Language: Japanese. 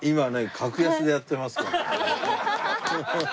格安でやってますから。